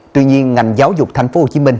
tuy nhiên ngành giáo dục tp hcm